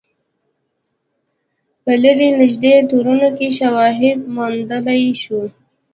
په لرې نژدې ټولنو کې شواهد موندلای شو.